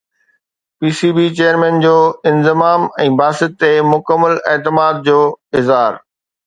P C B chairman جو انضمام ۽ باسط تي مڪمل اعتماد جو اظهار